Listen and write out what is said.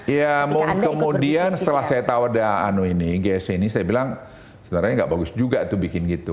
ya kemudian setelah saya tahu ada anu ini gsc ini saya bilang sebenarnya nggak bagus juga tuh bikin gitu